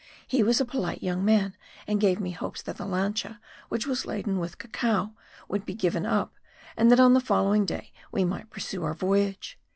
He was a polite young man, and gave me hopes that the lancha, which was laden with cacao, would be given up, and that on the following day we might pursue our voyage.